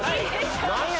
何や？